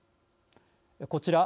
こちら。